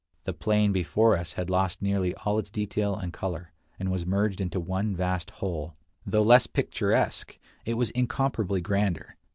The plain before us had lost nearly all its detail and color, and was merged into one vast whole. Though less picturesque, it was incomparably grander.